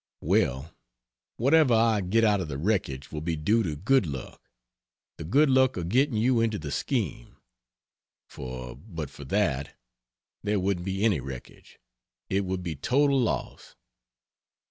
Well, whatever I get out of the wreckage will be due to good luck the good luck of getting you into the scheme for, but for that, there wouldn't be any wreckage; it would be total loss.